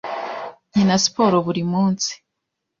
Nkina siporo buri munsi.